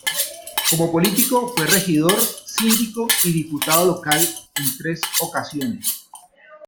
Como político fue regidor, síndico y diputado local en tres ocasiones.